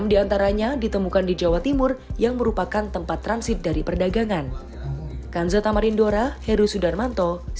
enam diantaranya ditemukan di jawa timur yang merupakan tempat transit dari perdagangan